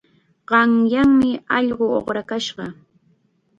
Qanyanmi allqu uqrakashqa.